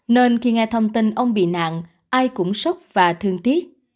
nên khi nghe thông tin ông bị nạn ai cũng sốc và thương tiếc